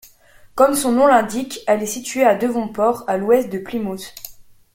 Comme son nom l'indique, elle est située à Devonport, à l'ouest de Plymouth.